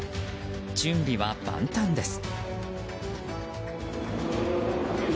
準備は万端です。